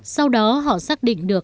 sau đó họ xác định được